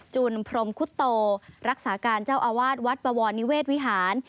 จุนพรมคุตโตรักษาการเจ้าอาวาสวัดบวรนิเวศวิหาร